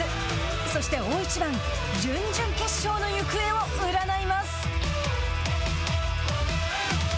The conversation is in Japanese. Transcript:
そして大一番準々決勝の行方を占います。